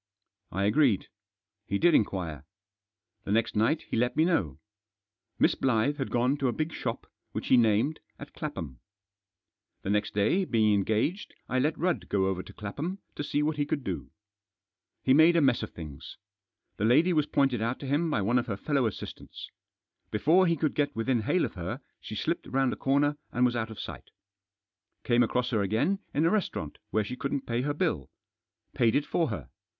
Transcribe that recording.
I agreed. He did inquire. The next night he let me know. Miss Blyth had gone to a big shop, which he named, at Clapham. The next day, being en gaged, I let Rudd go over to Clapham to see what he could do. He made a mess of things. The lady was pointed out to him by one of her fellow assistants. Before he could get within hail of her, she slipped round a corner and was out of sight Came across her again in a restaurant where she couldn't pay her bilL Paid it for her.